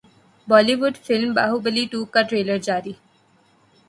Bali would film Baahubali two کا trailer جاری